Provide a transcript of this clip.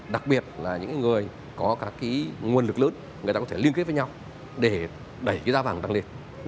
đặc biệt là những người có các cái nguồn lực lớn người ta có thể liên kết với nhau để đẩy cái giá vàng tăng lên